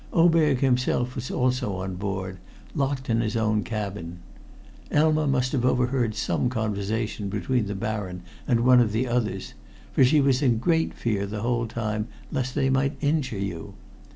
Oberg himself was also on board, locked in his own cabin. Elma must have overheard some conversation between the Baron and one of the others, for she was in great fear the whole time lest they might injure you.